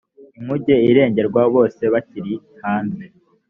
inkuge irengerwa bose bakira hanze